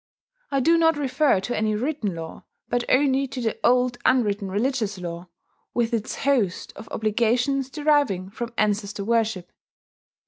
I do not refer to any written law, but only to the old unwritten religious law, with its host of obligations deriving from ancestor worship.